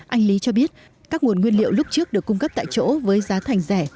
anh lý cho biết các nguồn nguyên liệu lúc trước được cung cấp tại chỗ với giá thành rẻ